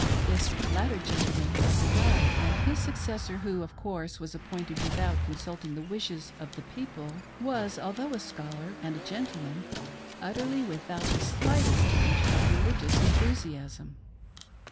This latter gentleman, however, died, and his successor who, of course, was appointed without coiisulting the wishes of the people, was, although a scholar and a gentleman, utterly without the slightest tinge of relig ious enthusiasm.